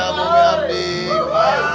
nanti kudus dirawat